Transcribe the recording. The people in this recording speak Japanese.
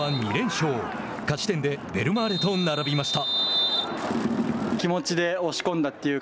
勝ち点でベルマーレと並びました。